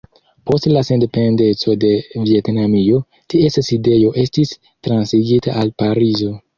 Post la sendependeco de Vjetnamio, ties sidejo estis transigita al Parizo.